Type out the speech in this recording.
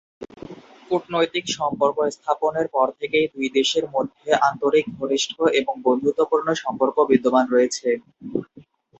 কূটনৈতিক সম্পর্ক স্থাপনের পর থেকেই দুই দেশের মধ্যে আন্তরিক, ঘনিষ্ঠ এবং বন্ধুত্বপূর্ণ সম্পর্ক বিদ্যমান রয়েছে।